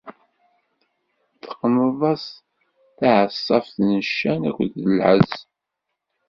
Teqqneḍ-as taɛeṣṣabt n ccan akked lɛezz.